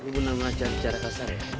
lo bener bener ngacar secara kasar ya